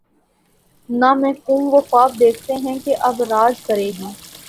نہ محکوم وہ خواب دیکھتے ہیں کہ:''اب راج کرے گی۔